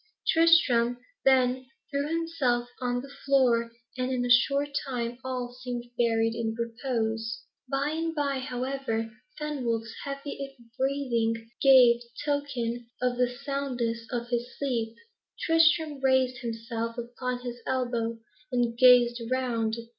Tristram then threw himself on the floor, and in a short time all seemed buried in repose. By and by, however, when Fenwolf's heavy breathing gave token of the soundness of his sleep, Tristram raised himself upon his elbow, and gazed round.